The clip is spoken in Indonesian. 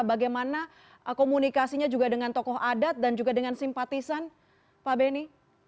bagaimana komunikasinya juga dengan tokoh adat dan juga dengan simpatisan pak beni